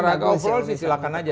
olahraga overall sih silakan aja